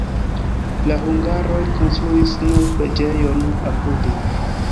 La hungaroj konstruis nur preĝejon apude.